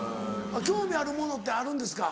興味あるものってあるんですか？